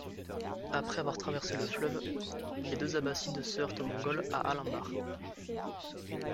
Après avoir traversé le fleuve, les deux Abbassides se heurtent aux Mongols à Al-Anbar.